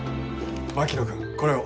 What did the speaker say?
槙野君これを。